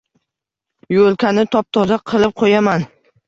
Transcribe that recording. Yo’lkani top-toza qilib qo’yaman.